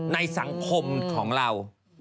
ในสังคมของเรา